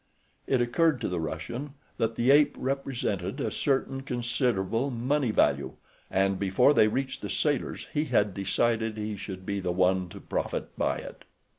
It occurred to the Russian that the ape represented a certain considerable money value, and before they reached the sailors he had decided he should be the one to profit by it.